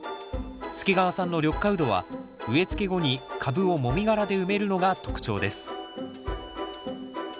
助川さんの緑化ウドは植えつけ後に株をもみ殻で埋めるのが特徴です